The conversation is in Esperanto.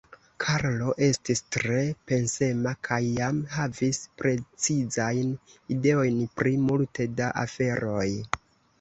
Karlo estis tre pensema kaj jam havis precizajn ideojn pri multe da aferoj.